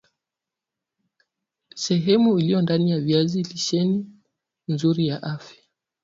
lehemu iliyo ndani ya viazi lisheni nzuri kwa afya